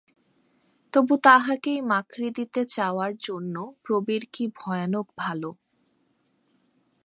তবু তাহাকেই মাকড়ি দিতে চাওয়ার জন্য প্রবীর কী ভয়ানক ভালো।